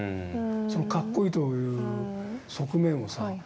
そのかっこいいという側面をさ。